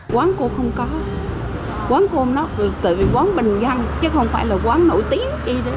quán cô không có quán cô không nói tự vì quán bình dân chứ không phải là quán nổi tiếng